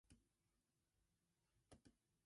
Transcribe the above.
Who makes a noise on seeing a thief?